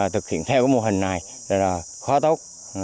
thực hiện theo mô hình này là khó tốt